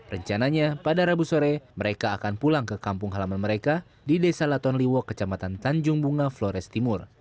rencananya pada rabu sore mereka akan pulang ke kampung halaman mereka di desa laton liwo kecamatan tanjung bunga flores timur